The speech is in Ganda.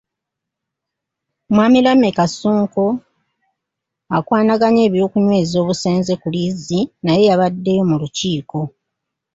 Mwami Lameka Ssonko akwanaganya eby'okunyweza obusenze ne liizi naye yabaddeyo mu lukiiko.